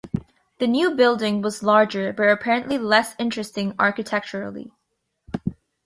The new building was larger, but apparently less interesting architecturally.